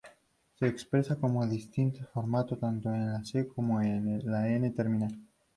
Se expresa como distintas formas tanto en el C- como en el N-terminal.